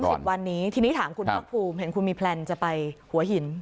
สิบวันนี้ทีนี้ถามคุณภาคภูมิเห็นคุณมีแพลนจะไปหัวหิน